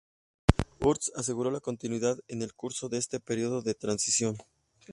Hurst aseguró la continuidad en el curso de este período de transición.